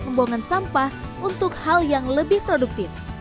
dan kebawangan sampah untuk hal yang lebih produktif